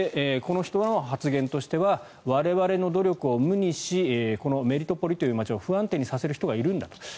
この人の発言としては我々の努力を無にしこのメリトポリという街を不安定にさせる人がいるんだと。